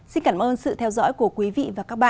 xin cảm ơn sự theo dõi của quý vị và các bạn